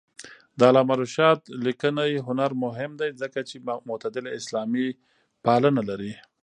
د علامه رشاد لیکنی هنر مهم دی ځکه چې معتدله اسلاميپالنه لري.